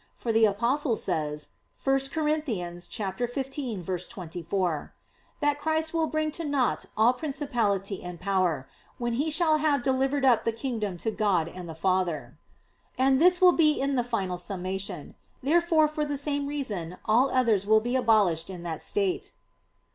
For the Apostle says (1 Cor. 15:24), that Christ will "bring to naught all principality and power, when He shall have delivered up the kingdom to God and the Father," and this will be in the final consummation. Therefore for the same reason all others will be abolished in that state.